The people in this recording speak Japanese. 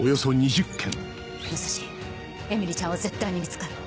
武蔵えみりちゃんは絶対に見つかる。